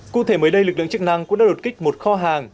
cụ thể mới đây lực lượng chức năng cũng đã đột kích một kho hàng